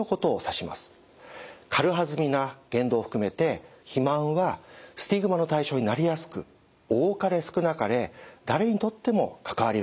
軽はずみな言動を含めて肥満はスティグマの対象になりやすく多かれ少なかれ誰にとっても関わりがあるんです。